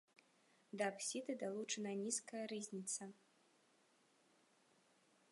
Да апсіды далучана нізкая рызніца.